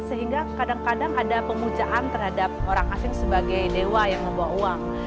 sehingga kadang kadang ada pemujaan terhadap orang asing sebagai dewa yang membawa uang